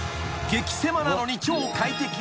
［激せまなのに超快適］